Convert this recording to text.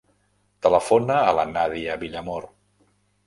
Telefona a la Nàdia Villamor.